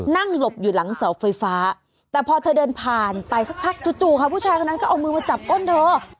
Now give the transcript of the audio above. หลบอยู่หลังเสาไฟฟ้าแต่พอเธอเดินผ่านไปสักพักจู่ค่ะผู้ชายคนนั้นก็เอามือมาจับก้นเธอ